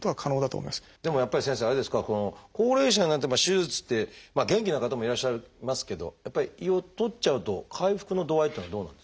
でもやっぱり先生あれですか高齢者になって手術ってまあ元気な方もいらっしゃいますけどやっぱり胃を取っちゃうと回復の度合いっていうのはどうなんですか？